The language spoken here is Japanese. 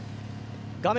画面